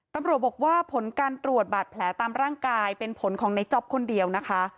ตำรวจบอกว่าผลการตรวจบาดแผลตามร่างกายเป็นผลของในจ๊อปคนเดียวนะคะ